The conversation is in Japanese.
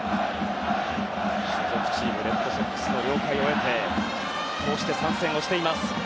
所属チームレッドソックスの了解を得てこうして参戦しています。